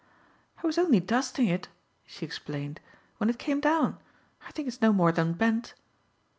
"I was only dusting it," she explained, "when it came down. I think it's no more than bent."